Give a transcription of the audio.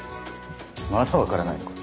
まだ分からないのか。